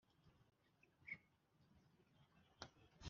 Dukomeze gusenga kuko iminsi ni mibi